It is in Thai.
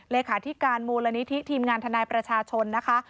เลขาธิการมูลนิธิทีมงานทนายประชาชนนะคะ